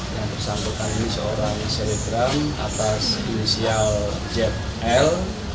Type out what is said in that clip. yang bersangkutan ini seorang selebgram atas inisial zl